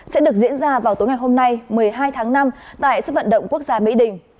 sẽ được diễn ra vào tối ngày hôm nay một mươi hai tháng năm tại sức vận động quốc gia mỹ đình